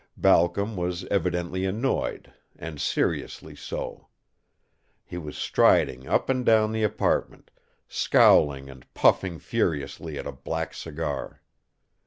Balcom was evidently annoyed, and seriously so. He was striding up and down the apartment, scowling and puffing furiously at a black cigar.